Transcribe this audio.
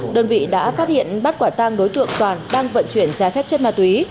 đơn vị đã phát hiện bắt quả tang đối tượng toàn đang vận chuyển trái phép chất ma túy